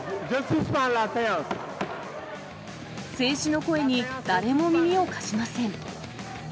制止の声に誰も耳を貸しません。